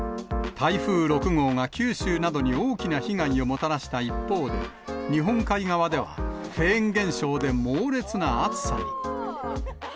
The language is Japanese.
台風６号が九州などに大きな被害をもたらした一方で、日本海側では、フェーン現象で猛烈な暑さに。